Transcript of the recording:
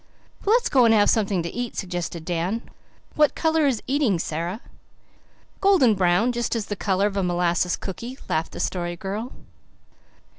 "Well, let's go and have something to eat," suggested Dan. "What colour is eating, Sara?" "Golden brown, just the colour of a molasses cooky," laughed the Story Girl.